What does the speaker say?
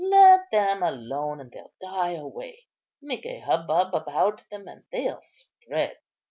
Let them alone and they'll die away; make a hubbub about them and they'll spread."